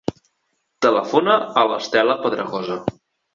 Telefona a l'Estela Pedregosa.